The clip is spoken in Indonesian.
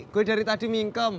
gue dari tadi mingkem